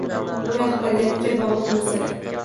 Bu rahbariyatga bog‘liq masala.